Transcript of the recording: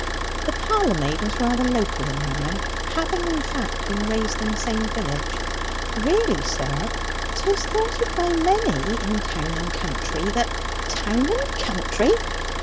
(The parlour maid was rather local in manner, having in fact been raised in the same village.) "Really, sir, 'tis thoughted by many in town and country that " "Town and country!